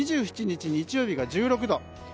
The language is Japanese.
２７日、日曜日が１６度。